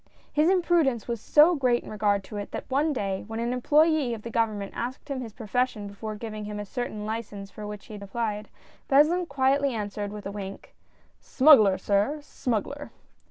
His imprudence was so great in regard to it, that one day when an employ^ of the Government asked him his profession before giving him a certain license for which he had applied, Beslin quietly answered with a wink ;" Smuggler, sir, smuggler